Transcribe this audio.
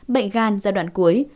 bệnh gan giai đoạn cuối